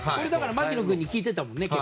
槙野君に聞いてたもんね。